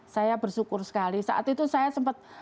saya bersyukur sekali saat itu saya sempat